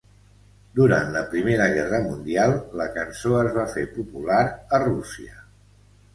Durant la Primera Guerra Mundial, la cançó es va fer popular a Rússia.